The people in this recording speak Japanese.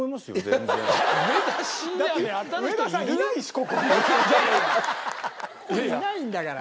ここいないんだから。